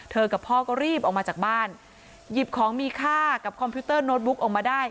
กับพ่อก็รีบออกมาจากบ้านหยิบของมีค่ากับคอมพิวเตอร์โน้ตบุ๊กออกมาได้